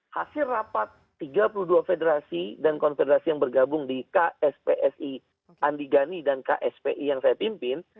hasil rapat tiga puluh dua federasi dan konfederasi yang bergabung di kspsi andi gani dan kspi yang saya pimpin